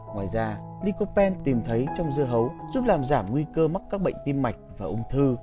ngoài ra licopen tìm thấy trong dưa hấu giúp làm giảm nguy cơ mắc các bệnh tim mạch và ung thư